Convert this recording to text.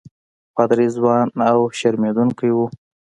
پادري ځوان او شرمېدونکی وو.